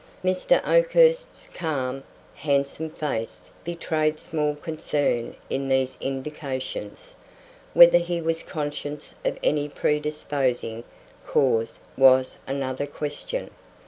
Mr. Oakhurst's calm, handsome face betrayed small concern in these indications. Whether he was conscious of any predisposing cause was another question.